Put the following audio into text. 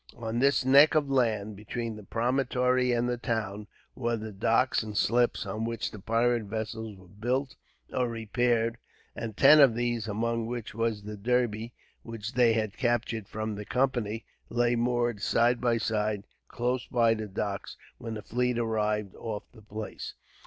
On this neck of land, between the promontory and the town, were the docks and slips on which the pirate vessels were built or repaired; and ten of these, among which was the Derby, which they had captured from the Company, lay moored side by side, close by the docks, when the fleet arrived off the place.